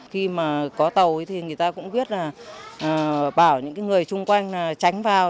khi mà có tàu ấy thì người ta cũng biết là bảo những người chung quanh tránh vào